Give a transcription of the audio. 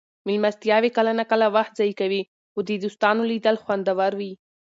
مېلمستیاوې کله ناکله وخت ضایع کوي خو د دوستانو لیدل خوندور وي.